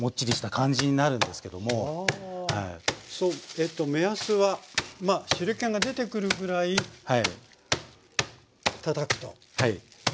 えっと目安はまあ汁けが出てくるぐらいたたくということですね。